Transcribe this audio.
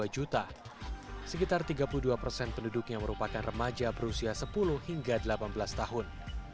dua juta sekitar tiga puluh dua persen penduduknya merupakan remaja berusia sepuluh hingga delapan belas tahun